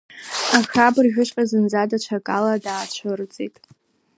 Аха абыржәыҵәҟьа зынӡа даҽакалаӡа даацәырҵит.